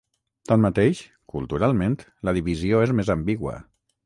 Tanmateix, culturalment, la divisió és més ambigua.